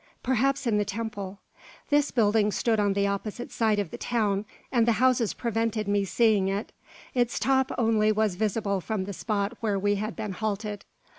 Perhaps in the temple. This building stood on the opposite side of the town, and the houses prevented me from seeing it. Its top only was visible from the spot where we had been halted.